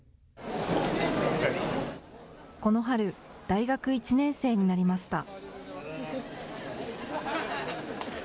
この春、大学１年生になりました。